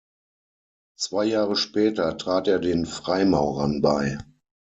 Zwei Jahre später trat er den Freimaurern bei.